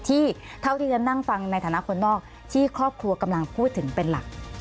เท่าที่ฉันนั่งฟังในฐานะคนนอกที่ครอบครัวกำลังพูดถึงเป็นหลัก